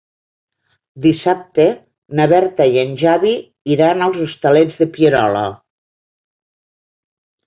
Dissabte na Berta i en Xavi iran als Hostalets de Pierola.